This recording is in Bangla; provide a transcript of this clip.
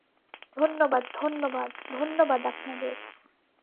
ধন্যবাদ, ধন্যবাদ, ধন্যবাদ আপনাদের।